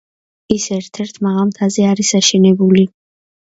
ის ერთ-ერთ მაღალ მთაზე არის აშენებული.